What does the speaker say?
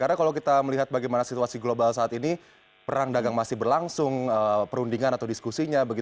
karena kalau kita melihat bagaimana situasi global saat ini perang dagang masih berlangsung perundingan atau diskusinya